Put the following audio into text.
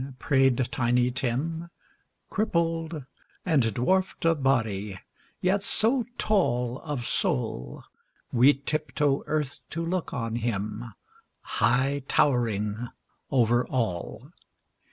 " prayed Tiny Tim, Crippled, and dwarfed of body, yet so tall Of soul, we tiptoe earth to look on him, High towering over all.